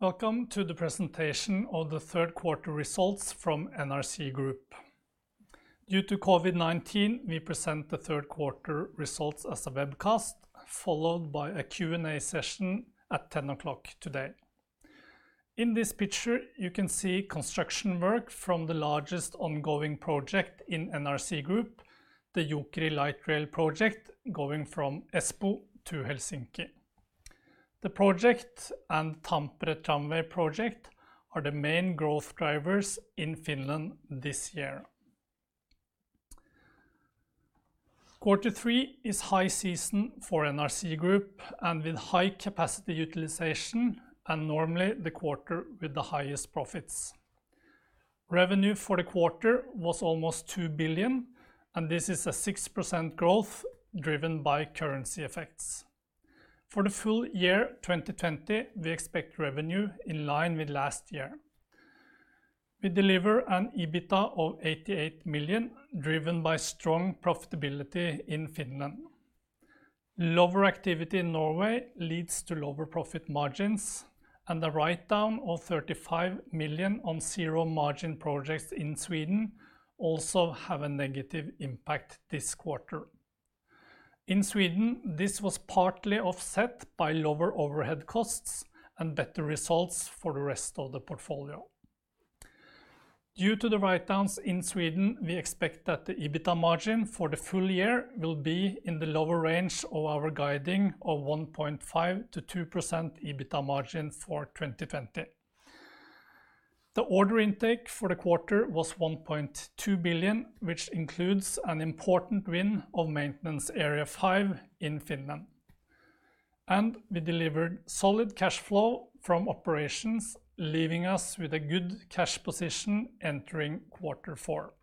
Welcome to the presentation of the third quarter results from NRC Group. Due to COVID-19, we present the third quarter results as a webcast, followed by a Q&A session at 10:00 A.M. today. In this picture, you can see construction work from the largest ongoing project in NRC Group, the Jokeri Light Rail project, going from Espoo to Helsinki. The project and Tampere Tramway project are the main growth drivers in Finland this year. Quarter three is high season for NRC Group and with high-capacity utilization and normally the quarter with the highest profits. Revenue for the quarter was almost 2 billion, and this is a 6% growth driven by currency effects. For the full year 2020, we expect revenue in line with last year. We deliver an EBITA of 88 million, driven by strong profitability in Finland. Lower activity in Norway leads to lower profit margins and a write-down of 35 million on zero-margin projects in Sweden also have a negative impact this quarter. In Sweden, this was partly offset by lower overhead costs and better results for the rest of the portfolio. Due to the write-downs in Sweden, we expect that the EBITA margin for the full year will be in the lower range of our guiding of 1.5%-2% EBITA margin for 2020. The order intake for the quarter was 1.2 billion, which includes an important win of Maintenance Area Five in Finland. We delivered solid cash flow from operations, leaving us with a good cash position entering quarter four.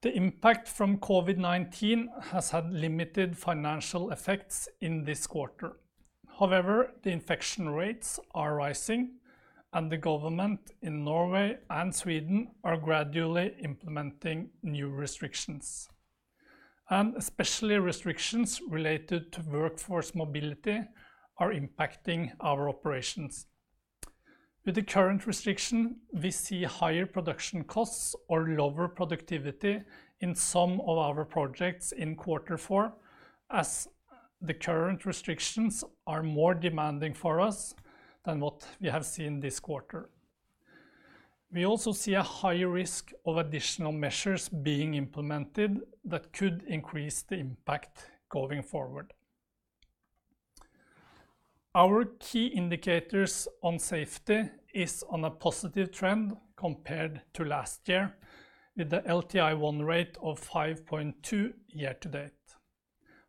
The impact from COVID-19 has had limited financial effects in this quarter. However, the infection rates are rising, and the government in Norway and Sweden are gradually implementing new restrictions. Especially restrictions related to workforce mobility are impacting our operations. With the current restriction, we see higher production costs or lower productivity in some of our projects in quarter four, as the current restrictions are more demanding for us than what we have seen this quarter. We also see a higher risk of additional measures being implemented that could increase the impact going forward. Our key indicators on safety is on a positive trend compared to last year with the LTI1 rate of 5.2 year-to-date.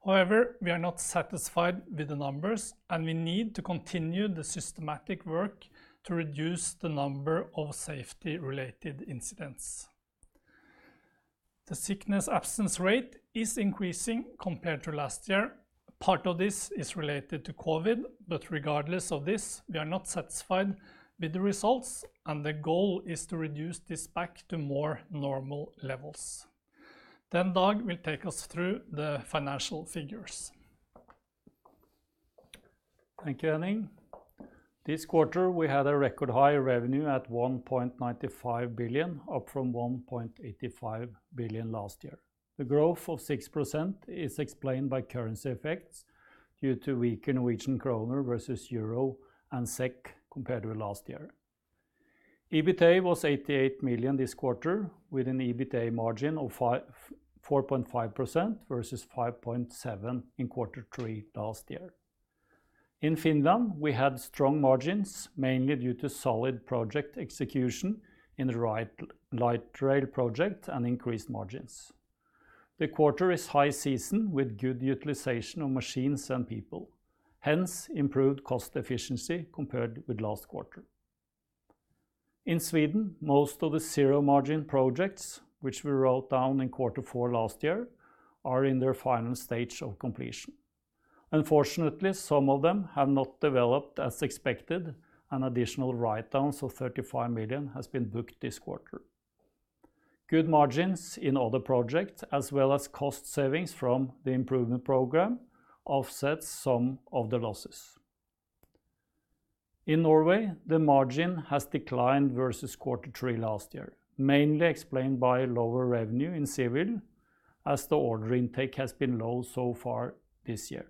However, we are not satisfied with the numbers, and we need to continue the systematic work to reduce the number of safety-related incidents. The sickness absence rate is increasing compared to last year. Part of this is related to COVID-19, but regardless of this, we are not satisfied with the results and the goal is to reduce this back to more normal levels. Dag will take us through the financial figures. Thank you, Henning. This quarter we had a record high revenue at 1.95 billion, up from 1.85 billion last year. The growth of 6% is explained by currency effects due to weaker Norwegian kroner versus EUR and SEK compared with last year. EBITA was 88 million this quarter, with an EBITA margin of 4.5% versus 5.7% in quarter three last year. In Finland, we had strong margins, mainly due to solid project execution in the light rail project and increased margins. The quarter is high season with good utilization of machines and people, hence improved cost efficiency compared with last quarter. In Sweden, most of the zero-margin projects, which we wrote down in quarter four last year, are in their final stage of completion. Unfortunately, some of them have not developed as expected and additional write-downs of 35 million has been booked this quarter. Good margins in other projects, as well as cost savings from the improvement program offsets some of the losses. In Norway, the margin has declined versus quarter three last year, mainly explained by lower revenue in civil, as the order intake has been low so far this year,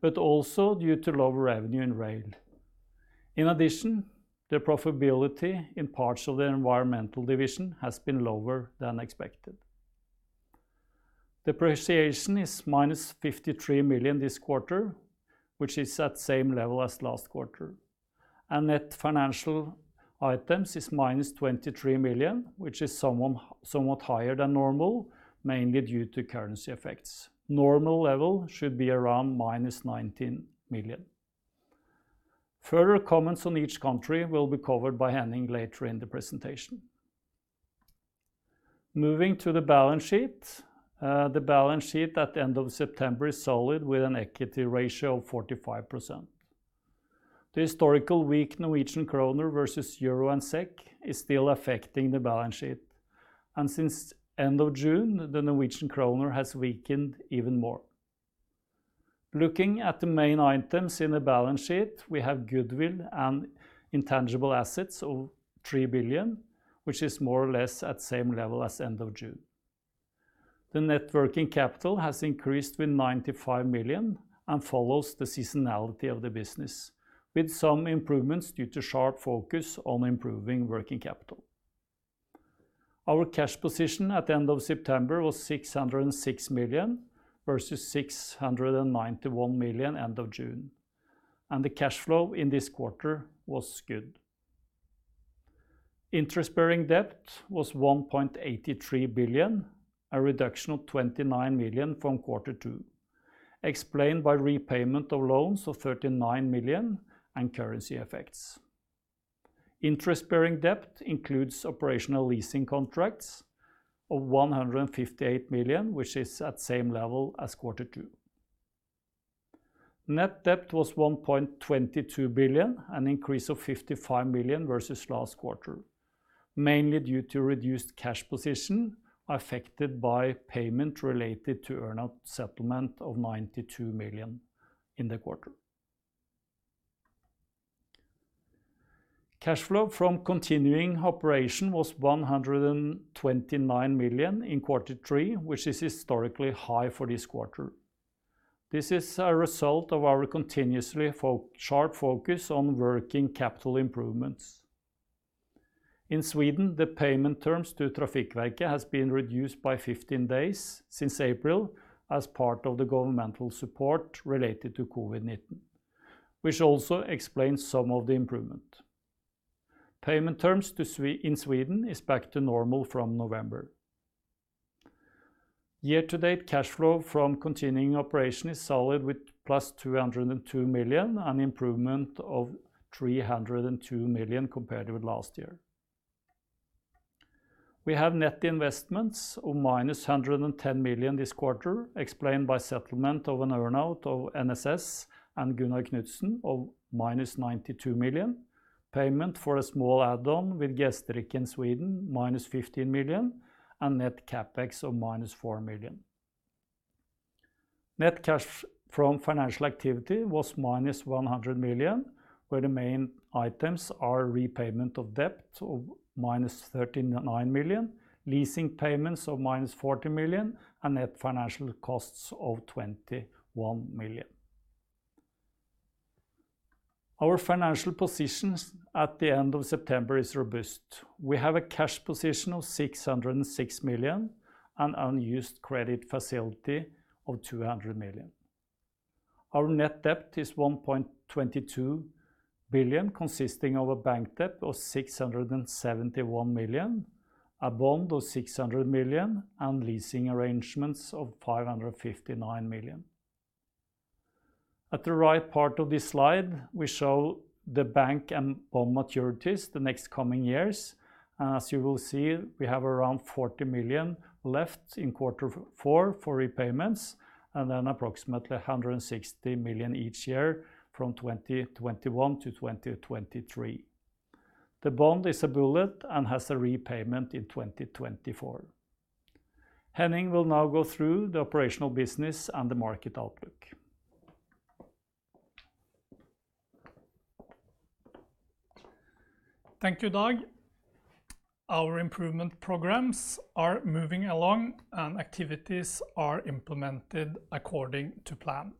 but also due to lower revenue in rail. In addition, the profitability in parts of the environmental division has been lower than expected. Depreciation is -53 million this quarter, which is at same level as last quarter, and net financial items is -23 million, which is somewhat higher than normal, mainly due to currency effects. Normal level should be around -19 million. Further comments on each country will be covered by Henning later in the presentation. Moving to the balance sheet. The balance sheet at the end of September is solid with an equity ratio of 45%. The historical weak Norwegian kroner versus EUR and SEK is still affecting the balance sheet. Since end of June, the Norwegian kroner has weakened even more. Looking at the main items in the balance sheet, we have goodwill and intangible assets of 3 billion, which is more or less at same level as end of June. The net working capital has increased with 95 million and follows the seasonality of the business, with some improvements due to sharp focus on improving working capital. Our cash position at the end of September was 606 million versus 691 million end of June, and the cash flow in this quarter was good. Interest-bearing debt was 1.83 billion, a reduction of 29 million from quarter two, explained by repayment of loans of 39 million and currency effects. Interest-bearing debt includes operational leasing contracts of 158 million, which is at same level as quarter two. Net debt was 1.22 billion, an increase of 55 million versus last quarter, mainly due to reduced cash position affected by payment related to earn-out settlement of 92 million in the quarter. Cash flow from continuing operation was 129 million in quarter three, which is historically high for this quarter. This is a result of our continuously sharp focus on working capital improvements. In Sweden, the payment terms to Trafikverket has been reduced by 15 days since April as part of the governmental support related to COVID-19, which also explains some of the improvement. Payment terms in Sweden is back to normal from November. Year-to-date cash flow from continuing operation is solid with plus 202 million, an improvement of 302 million compared with last year. We have net investments of -110 million this quarter, explained by settlement of an earn-out of NSS and Gunnar Knutsen of -92 million, payment for a small add-on with Gästrike in Sweden -15 million, and net CapEx of -4 million. Net cash from financial activity was -100 million, where the main items are repayment of debt of -39 million, leasing payments of -40 million, and net financial costs of 21 million. Our financial positions at the end of September is robust. We have a cash position of 606 million and unused credit facility of 200 million. Our net debt is 1.22 billion, consisting of a bank debt of 671 million, a bond of 600 million, and leasing arrangements of 559 million. At the right part of this slide, we show the bank and bond maturities the next coming years. As you will see, we have around 40 million left in quarter four for repayments and then approximately 160 million each year from 2021 to 2023. The bond is a bullet and has a repayment in 2024. Henning will now go through the operational business and the market outlook. Thank you, Dag. Our improvement programs are moving along. Activities are implemented according to plan.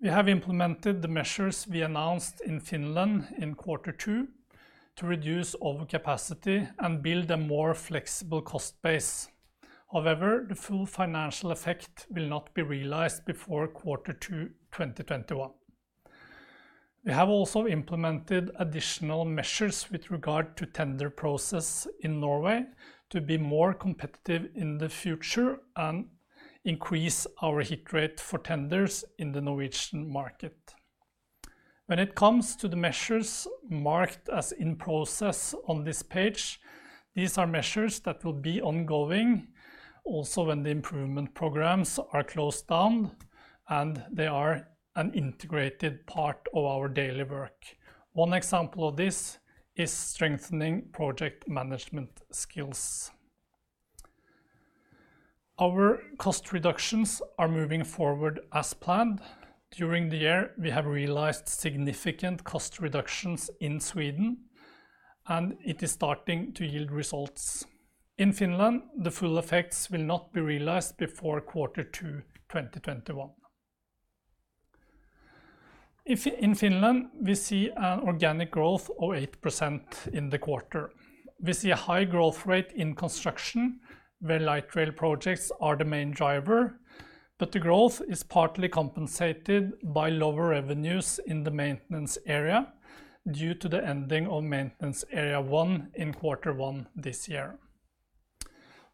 We have implemented the measures we announced in Finland in quarter two to reduce overcapacity and build a more flexible cost base. However, the full financial effect will not be realized before quarter two 2021. We have also implemented additional measures with regard to tender process in Norway to be more competitive in the future and increase our hit rate for tenders in the Norwegian market. When it comes to the measures marked as in process on this page, these are measures that will be ongoing also when the improvement programs are closed down. They are an integrated part of our daily work. One example of this is strengthening project management skills. Our cost reductions are moving forward as planned. During the year, we have realized significant cost reductions in Sweden, and it is starting to yield results. In Finland, the full effects will not be realized before quarter two 2021. In Finland, we see an organic growth of 8% in the quarter. We see a high growth rate in construction, where light rail projects are the main driver, but the growth is partly compensated by lower revenues in the maintenance area due to the ending of Maintenance Area One in quarter one this year.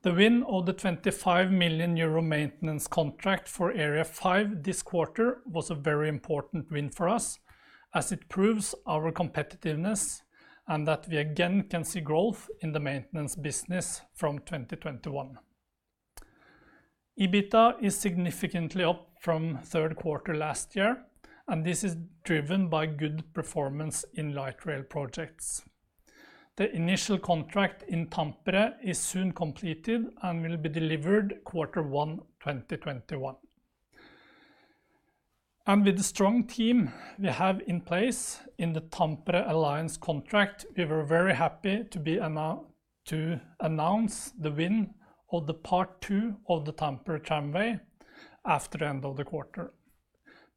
The win of the 25 million euro maintenance contract for Area Five this quarter was a very important win for us, as it proves our competitiveness and that we again can see growth in the maintenance business from 2021. EBITA is significantly up from third quarter last year, and this is driven by good performance in light rail projects. The initial contract in Tampere is soon completed and will be delivered Q1 2021. With the strong team we have in place in the Tampere Alliance contract, we were very happy to announce the win of the part 2 of the Tampere Tramway after the end of the quarter.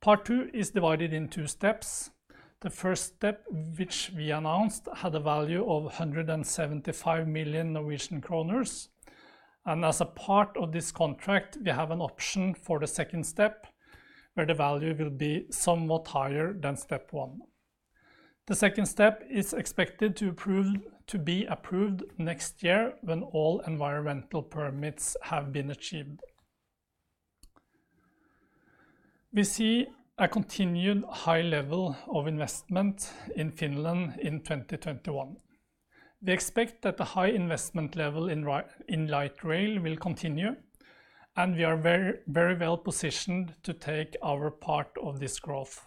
Part 2 is divided in 2 steps. The first step, which we announced, had a value of 175 million Norwegian kroner, and as a part of this contract, we have an option for the second step, where the value will be somewhat higher than step 1. The second step is expected to be approved next year when all environmental permits have been achieved. We see a continued high level of investment in Finland in 2021. We expect that the high investment level in light rail will continue, and we are very well positioned to take our part of this growth.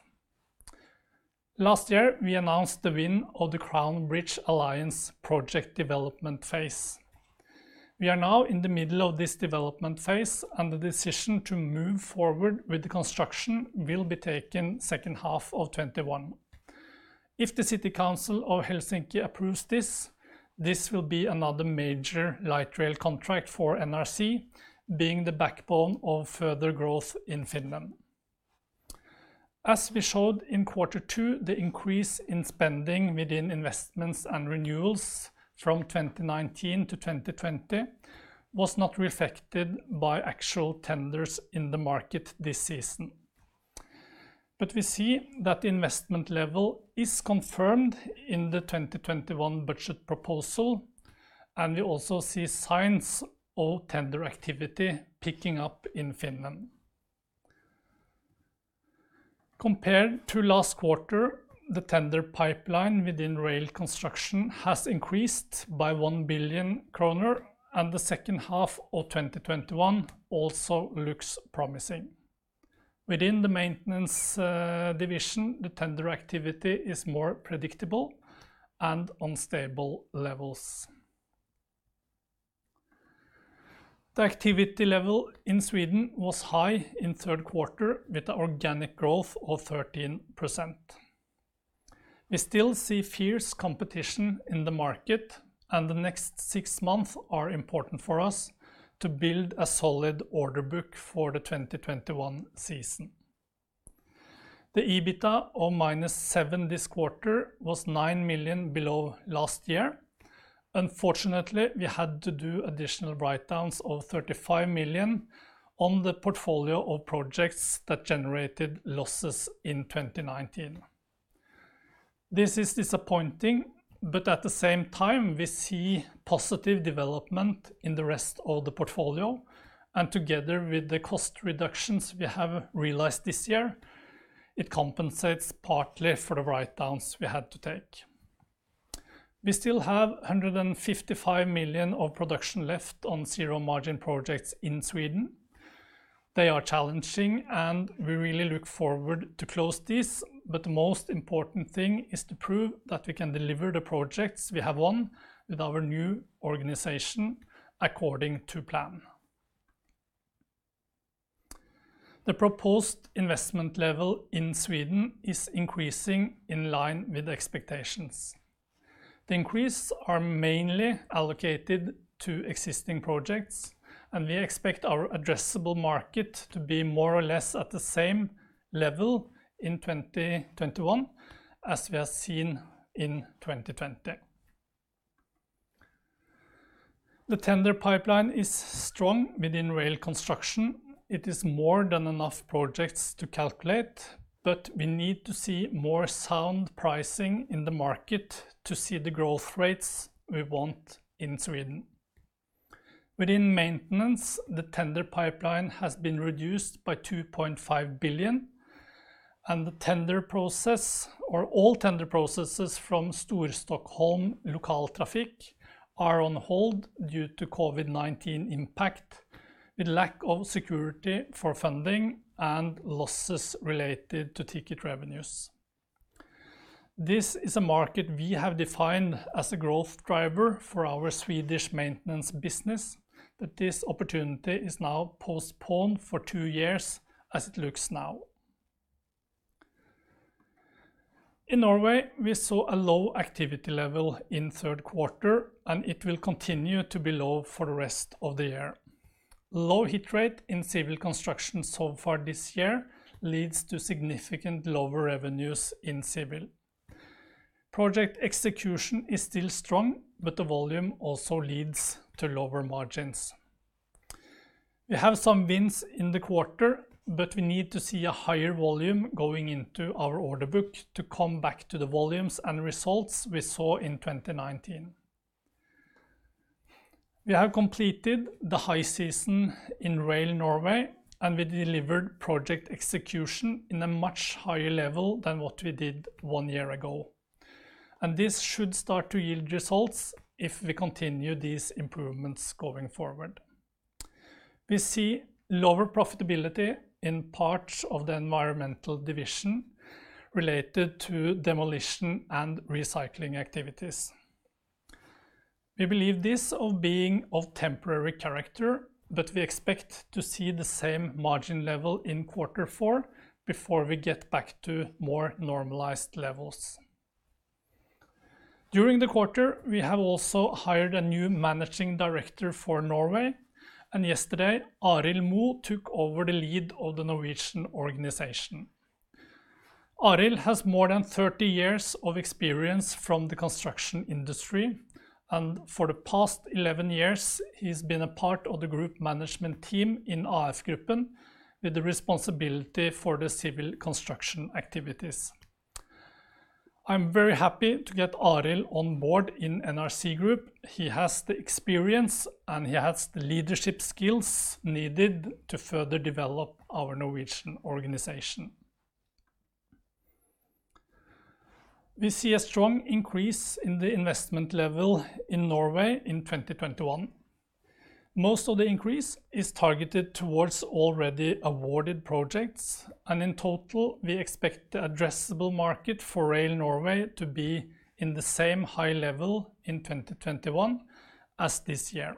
Last year, we announced the win of the Crown Bridges Alliance project development phase. We are now in the middle of this development phase, and the decision to move forward with the construction will be taken second half of 2021. If the city council of Helsinki approves this will be another major light rail contract for NRC being the backbone of further growth in Finland. As we showed in quarter 2, the increase in spending within investments and renewals from 2019-2020 was not reflected by actual tenders in the market this season. We see that investment level is confirmed in the 2021 budget proposal, and we also see signs of tender activity picking up in Finland. Compared to last quarter, the tender pipeline within rail construction has increased by 1 billion kroner, and the second half of 2021 also looks promising. Within the maintenance division, the tender activity is more predictable and on stable levels. The activity level in Sweden was high in third quarter with organic growth of 13%. We still see fierce competition in the market, and the next six months are important for us to build a solid order book for the 2021 season. The EBITA of -7 this quarter was 9 million below last year. Unfortunately, we had to do additional write-downs of 35 million on the portfolio of projects that generated losses in 2019. This is disappointing, but at the same time, we see positive development in the rest of the portfolio. Together with the cost reductions we have realized this year, it compensates partly for the write-downs we had to take. We still have 155 million of production left on zero-margin projects in Sweden. They are challenging, and we really look forward to close this, but the most important thing is to prove that we can deliver the projects we have won with our new organization according to plan. The proposed investment level in Sweden is increasing in line with expectations. The increase are mainly allocated to existing projects, and we expect our addressable market to be more or less at the same level in 2021 as we have seen in 2020. The tender pipeline is strong within rail construction. It is more than enough projects to calculate, but we need to see more sound pricing in the market to see the growth rates we want in Sweden. Within maintenance, the tender pipeline has been reduced by 2.5 billion, and the tender process or all tender processes from Storstockholms Lokaltrafik are on hold due to COVID-19 impact with lack of security for funding and losses related to ticket revenues. This is a market we have defined as a growth driver for our Swedish maintenance business, but this opportunity is now postponed for two years as it looks now. In Norway, we saw a low activity level in third quarter, and it will continue to be low for the rest of the year. Low hit rate in civil construction so far this year leads to significant lower revenues in civil. Project execution is still strong, but the volume also leads to lower margins. We have some wins in the quarter. We need to see a higher volume going into our order book to come back to the volumes and results we saw in 2019. We have completed the high season in Rail Norway, and we delivered project execution in a much higher level than what we did one year ago. This should start to yield results if we continue these improvements going forward. We see lower profitability in parts of the environmental division related to demolition and recycling activities. We believe this of being of temporary character. We expect to see the same margin level in quarter four before we get back to more normalized levels. During the quarter, we have also hired a new Managing Director for Norway. Yesterday, Arild Moe took over the lead of the Norwegian organization. Arild has more than 30 years of experience from the construction industry, and for the past 11 years, he's been a part of the group management team in AF Gruppen with the responsibility for the civil construction activities. I'm very happy to get Arild on board in NRC Group. He has the experience, and he has the leadership skills needed to further develop our Norwegian organization. We see a strong increase in the investment level in Norway in 2021. Most of the increase is targeted towards already awarded projects, and in total, we expect the addressable market for rail Norway to be in the same high level in 2021 as this year.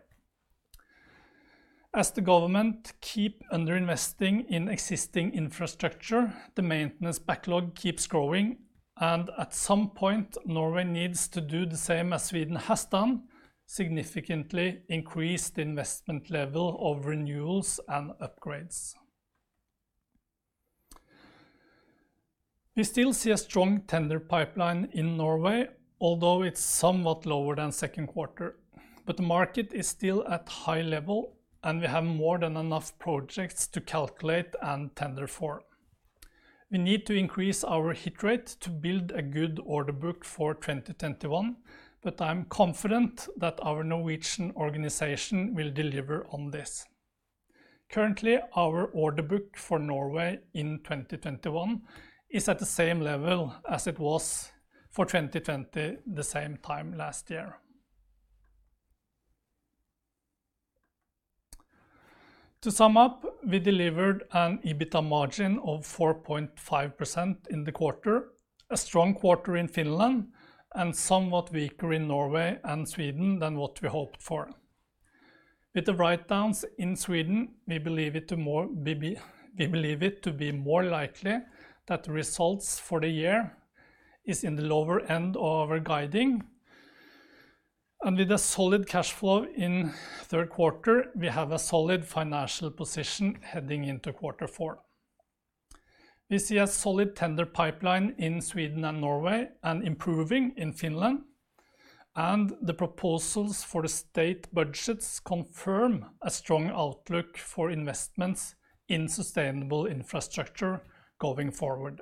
As the government keep under-investing in existing infrastructure, the maintenance backlog keeps growing, and at some point, Norway needs to do the same as Sweden has done, significantly increase the investment level of renewals and upgrades. We still see a strong tender pipeline in Norway, although it's somewhat lower than second quarter, but the market is still at high level, and we have more than enough projects to calculate and tender for. We need to increase our hit rate to build a good order book for 2021, but I'm confident that our Norwegian organization will deliver on this. Currently, our order book for Norway in 2021 is at the same level as it was for 2020 the same time last year. To sum up, we delivered an EBITA margin of 4.5% in the quarter, a strong quarter in Finland, and somewhat weaker in Norway and Sweden than what we hoped for. With the writedowns in Sweden, we believe it to be more likely that results for the year is in the lower end of our guiding. With a solid cash flow in third quarter, we have a solid financial position heading into quarter 4. We see a solid tender pipeline in Sweden and Norway and improving in Finland. The proposals for the state budgets confirm a strong outlook for investments in sustainable infrastructure going forward.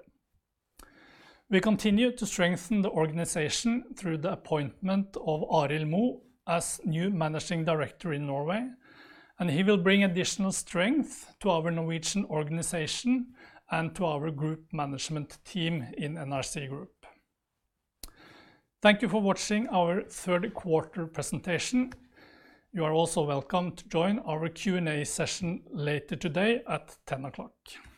We continue to strengthen the organization through the appointment of Arild Moe as new Managing Director in Norway. He will bring additional strength to our Norwegian organization and to our group management team in NRC Group. Thank you for watching our third quarter presentation. You are also welcome to join our Q&A session later today at 10:00 A.M.